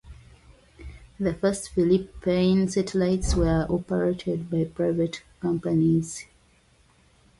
The first Philippine satellites were operated by private companies.